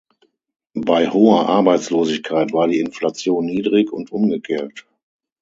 Bei hoher Arbeitslosigkeit war die Inflation niedrig und umgekehrt.